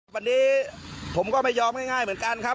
วันนี้ผมก็ไม่ยอมง่ายเหมือนกันครับ